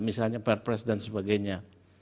misalnya perpres dan sebagainya